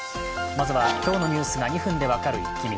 まずは今日のニュースが２分で分かるイッキ見。